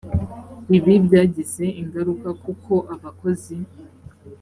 ibi byagize ingaruka kuko abakozi